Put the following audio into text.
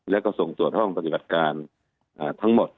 แล้วก็ส่งตรวจห้องปฏิบัติการทั้งหมด